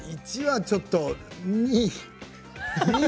１はちょっと２。